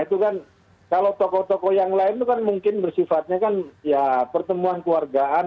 itu kan kalau tokoh tokoh yang lain itu kan mungkin bersifatnya kan ya pertemuan keluargaan